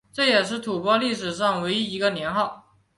这也是吐蕃历史上唯一一个年号。